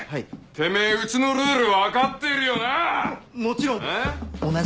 てめぇうちのルール分かってるよな？ももちろんです！